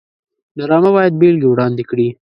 ډرامه باید بېلګې وړاندې کړي